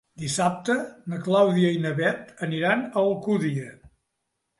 Dissabte na Clàudia i na Bet aniran a l'Alcúdia.